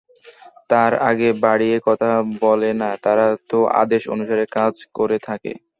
তার আগে বাড়িয়ে কথা বলে না, তারা তো আদেশ অনুসারেই কাজ করে থাকে।